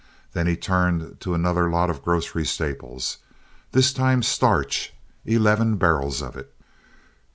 Then he turned to another lot of grocery staples—this time starch, eleven barrels of it.